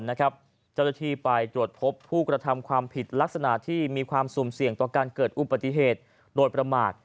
เจ้าหน้าที่ไปตรวจพบผู้กระทำความผิดลักษณะที่มีความสุ่มเสี่ยงต่อการเกิดอุบัติเหตุโดยประมาท